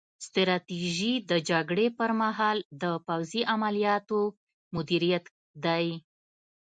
ستراتیژي د جګړې پر مهال د پوځي عملیاتو مدیریت دی